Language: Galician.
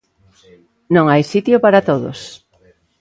Non hai sitio para todos.